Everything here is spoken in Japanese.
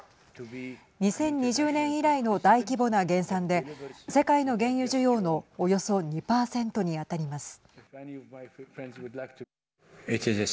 ２０２０年以来の大規模な減産で世界の原油需要のおよそ２％に当たります。